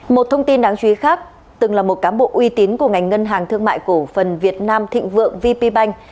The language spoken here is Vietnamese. một thông tin đáng chú ý khác từng là một cán bộ uy tín của ngành ngân hàng thương mại cổ phần việt nam thịnh vượng vp bank